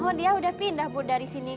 oh dia udah pindah bu dari sini